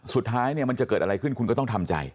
สุดท้ายเนี่ยมันจะเกิดอะไรขึ้นคุณก็ต้องทำใจ